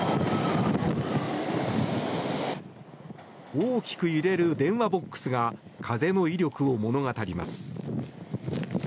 大きく揺れる電話ボックスが風の威力を物語ります。